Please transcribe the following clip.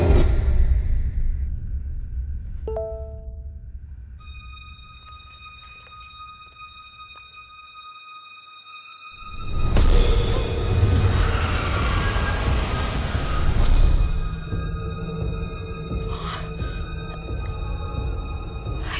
ya kita kembali ke sekolah